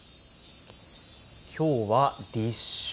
きょうは立秋。